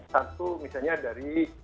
satu misalnya dari